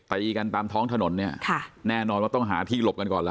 ตีกันตามท้องถนนเนี่ยค่ะแน่นอนว่าต้องหาที่หลบกันก่อนล่ะ